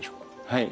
はい。